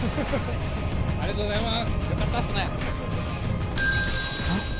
ありがとうございます。